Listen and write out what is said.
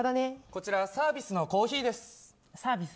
こちらサービスのコーヒーです。